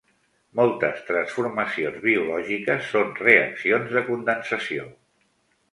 Moltes transformacions biològiques són reaccions de condensació.